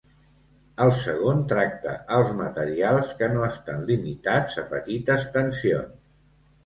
El segon tracta els materials que no estan limitats a petites tensions.